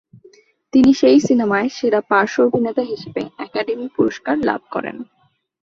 তিনি সেই সিনেমায় সেরা পার্শ্ব অভিনেতা হিসেবে একাডেমি পুরস্কার লাভ করেন।